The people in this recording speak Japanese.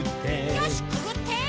よしくぐって！